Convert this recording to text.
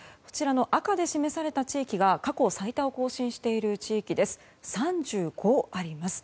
赤で示された地域が過去最多を更新している地域で３５あります。